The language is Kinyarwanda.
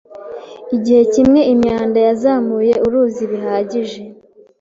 igihe kimweimyanda yazamuye uruzi bihagije